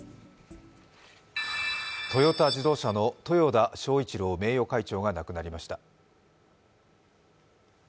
トヨタ自動車の豊田章一郎名誉会長が亡くなりました。